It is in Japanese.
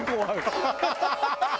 ハハハハ！